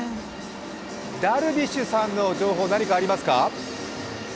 ダルビッシュさんの情報何かありますか？